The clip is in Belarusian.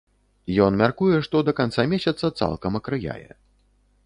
Ён мяркуе, што да канца месяца цалкам акрыяе.